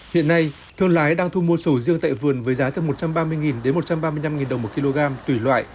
hiện nay thương lái đang thu mua sầu riêng tại vườn với giá từ một trăm ba mươi đến một trăm ba mươi năm đồng một kg tùy loại